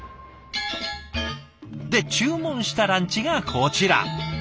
で注文したランチがこちら。